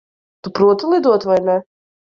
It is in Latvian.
Tu proti lidot, vai ne?